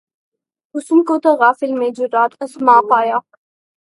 حسن کو تغافل میں جرأت آزما پایا